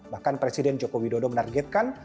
bahkan presiden joko widodo menargetkan